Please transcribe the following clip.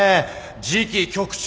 次期局長！